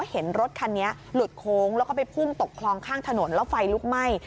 เห็นรถคันนี้หลุดโค้งแล้วก็ไปพุ่งตกคลองข้างถนนแล้วไฟลุกไหม้